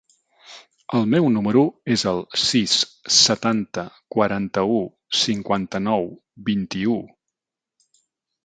El meu número es el sis, setanta, quaranta-u, cinquanta-nou, vint-i-u.